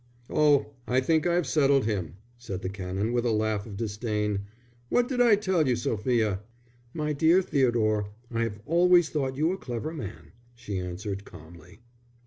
"Oh, I think I've settled him," said the Canon, with a laugh of disdain. "What did I tell you, Sophia?" "My dear Theodore, I have always thought you a clever man," she answered, calmly.